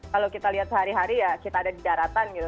kalau kita lihat sehari hari ya kita ada di daratan gitu